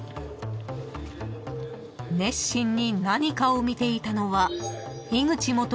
［熱心に何かを見ていたのは］